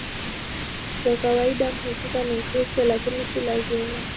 Kwa kawaida mhusika ni Mkristo, lakini si lazima.